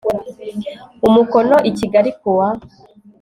umukono i Kigali ku wa